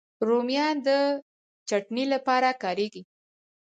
رومیان د چټني لپاره کارېږي